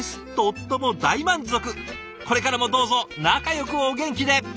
これからもどうぞ仲よくお元気で！